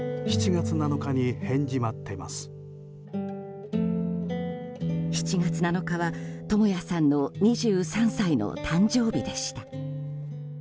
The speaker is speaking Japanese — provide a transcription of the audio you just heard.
７月７日は、智也さんの２３歳の誕生日でした。